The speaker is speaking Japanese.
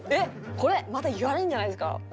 これまた言われるんじゃないですか？